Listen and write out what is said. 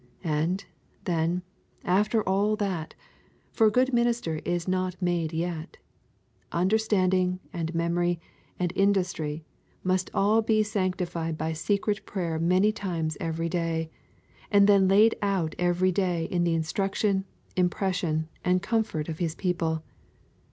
And, then, after all that, for a good minister is not made yet, understanding and memory and industry must all be sanctified by secret prayer many times every day, and then laid out every day in the instruction, impression, and comfort of his people.